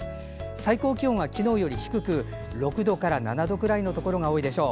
最高気温は昨日より低く６度から７度くらいのところが多いでしょう。